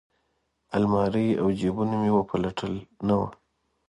المارۍ او جیبونه مې وپلټل نه وه.